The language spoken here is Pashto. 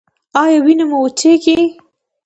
ایا وینه مو ژر وچیږي؟